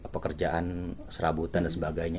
pekerjaan serabutan dan sebagainya